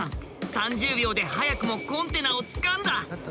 ３０秒で早くもコンテナをつかんだ。